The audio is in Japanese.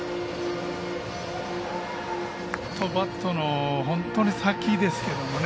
バットの本当に先ですけれどもね。